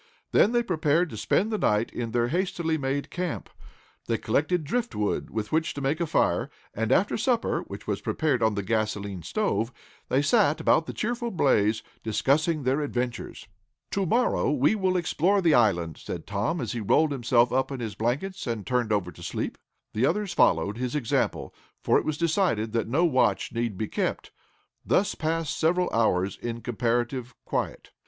Then they prepared to spend the night in their hastily made camp. They collected driftwood, with which to make a fire, and, after supper, which was prepared on the gasolene stove, they sat about the cheerful blaze, discussing their adventures. "To morrow we will explore the island," said Tom, as he rolled himself up in his blankets and turned over to sleep. The others followed his example, for it was decided that no watch need be kept. Thus passed several hours in comparative quiet.